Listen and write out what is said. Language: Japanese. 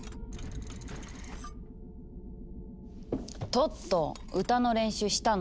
トット歌の練習したの？